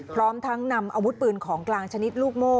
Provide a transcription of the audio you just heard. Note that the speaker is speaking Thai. พร้อมทั้งนำอาวุธปืนของกลางชนิดลูกโม่